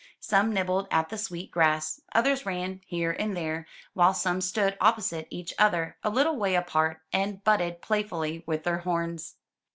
Some nibbled at" the sweet grass, others ran here and there, while some stood opposite each other a little way apart, and butted playfully with their horns.